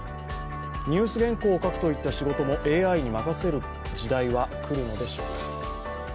ニュース原稿を書くといった仕事もＡＩに任せる時代は来るのでしょうか。